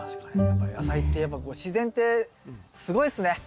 やっぱ野菜ってやっぱ自然ってすごいっすね！